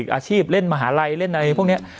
ด้วยเล่นมหาลัยเล่นไหนพวกเนี้ย